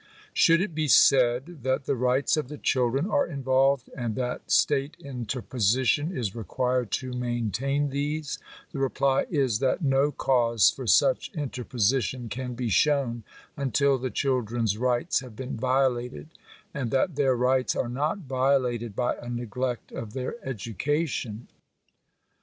Should it be said that the rights of the children are involved, and that state interposition is required to maintain these, the reply is that no cause for such interposition can be shown until the children's rights have been violated, and that their rights are not violated by a neglect of their education.